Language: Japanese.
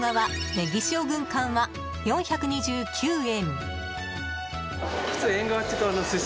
ねぎ塩軍艦は、４２９円。